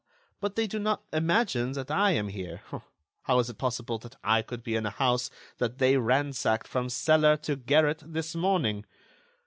But they do not imagine that I am here. How is it possible that I could be in a house that they ransacked from cellar to garret this morning?